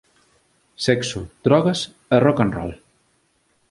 Sexo, drogas e rock and roll